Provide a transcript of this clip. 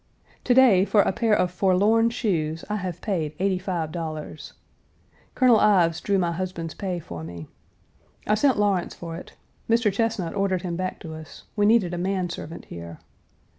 To day, for a pair of forlorn shoes I have paid $85. Colonel Ives drew my husband's pay for me. I sent Lawrence for it (Mr. Chesnut ordered him back to us; we needed a man servant here).